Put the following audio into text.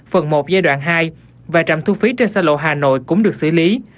phần một giai đoạn hai và trạm thu phí trên xa lộ hà nội cũng được xử lý